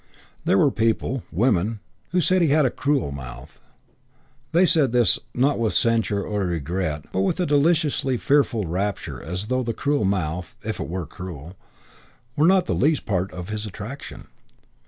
There were people women who said he had a cruel mouth. They said this, not with censure or regret, but with a deliciously fearful rapture as though the cruel mouth (if it were cruel) were not the least part of his attraction.